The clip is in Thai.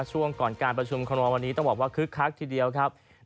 ช่วงก่อนการประชุมคอรมอลวันนี้ต้องบอกว่าคึกคักทีเดียวครับ